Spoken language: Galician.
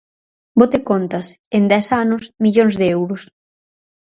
Bote contas: en dez anos, millóns de euros.